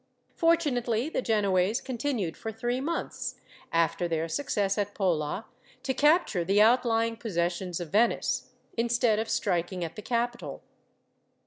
Fortunately, the Genoese continued for three months, after their success at Pola, to capture the outlying possessions of Venice, instead of striking at the capital.